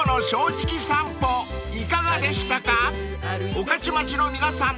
［御徒町の皆さん